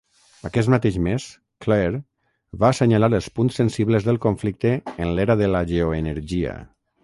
Aquest mateix mes, Klare va assenyalar els punts sensibles de conflicte en l'"era de la geoenergia".